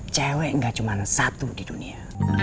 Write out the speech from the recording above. cewek gak cuma satu di dunia